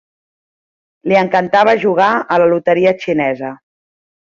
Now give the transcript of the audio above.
Li encantava jugar a la loteria xinesa.